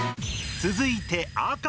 続いて赤。